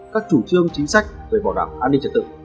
các chủ trương chính sách về bảo đảm an ninh trật tự